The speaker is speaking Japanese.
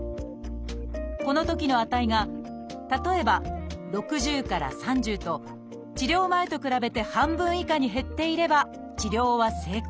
このときの値が例えば６０から３０と治療前と比べて半分以下に減っていれば治療は成功。